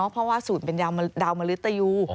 เพราะว่าสูตรเป็นดาวน์มะลึกตะยู